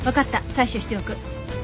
採取しておく。